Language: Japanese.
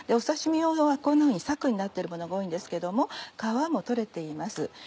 刺し身用はこんなふうにサクになってるものが多いんですけども皮も取れています。